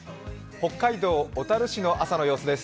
北海道小樽市の朝の様子です。